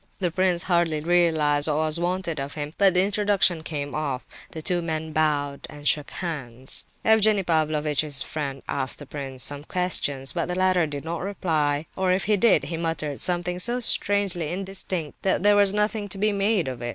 The prince hardly realized what was wanted of him, but the introduction came off; the two men bowed and shook hands. Evgenie Pavlovitch's friend asked the prince some question, but the latter did not reply, or if he did, he muttered something so strangely indistinct that there was nothing to be made of it.